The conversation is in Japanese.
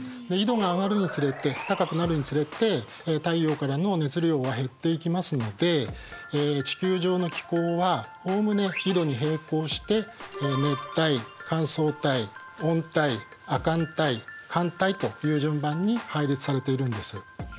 緯度が上がるにつれて高くなるにつれて太陽からの熱量は減っていきますので地球上の気候はおおむね緯度に並行して熱帯乾燥帯温帯亜寒帯寒帯という順番に配列されているんです。